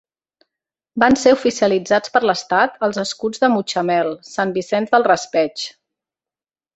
Van ser oficialitzats per l'Estat els escuts de Mutxamel, Sant Vicent del Raspeig.